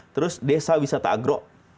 terus desa wisata agro